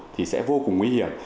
thì sẽ vô cùng nguy hiểm